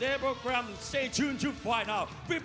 และเพื่อนดังคลิป